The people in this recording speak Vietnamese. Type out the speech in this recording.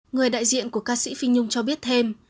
người đại diện của ca sĩ phi nhung cho biết thêm